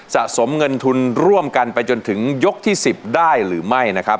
สะสมเงินทุนร่วมกันไปจนถึงยกที่๑๐ได้หรือไม่นะครับ